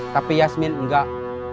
tapi yasmin enggak